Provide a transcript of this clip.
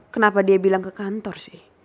kenapa dia bilang ke kantor sih